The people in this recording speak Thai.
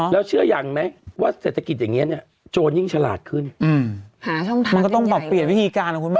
แล้วเชื่ออย่างไหมว่าเศรษฐกิจอย่างนี้เนี่ยโจรยิ่งฉลาดขึ้นหาช่องทางมันก็ต้องปรับเปลี่ยนวิธีการนะคุณแม่